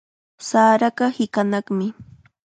Saraqa hiqanaqmi.